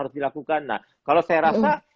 harus dilakukan nah kalau saya rasa